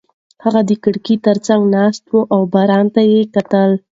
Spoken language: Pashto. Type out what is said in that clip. هغه د کړکۍ تر څنګ ناسته وه او باران یې کاته.